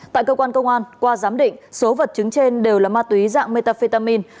tại cơ quan công an qua giám định số vật chứng trên đều là ma túy dạng metafetamin